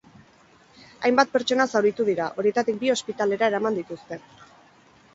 Hainbat pertsona zauritu dira, horietatik bi ospitalera eraman dituzte.